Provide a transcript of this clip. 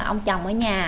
ông chồng ở nhà